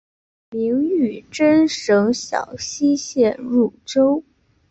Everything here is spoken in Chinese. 明玉珍省小溪县入州。